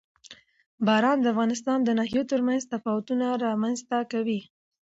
باران د افغانستان د ناحیو ترمنځ تفاوتونه رامنځ ته کوي.